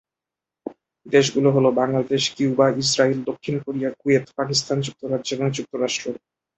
দেশগুলো হলো- Bangladesh, Cuba, Israel, দক্ষিণ কোরিয়া, কুয়েত, পাকিস্তান, যুক্তরাজ্য এবং যুক্তরাষ্ট্র।